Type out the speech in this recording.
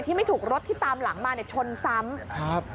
ไม่ถูกรถที่ตามหลังมาเนี่ยชนซ้ำครับ